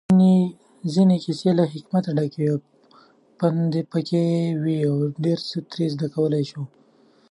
ځينې کيسې له حکمت ډکې وي، پندپکې وي اوډيرڅه ترې زده کولی شو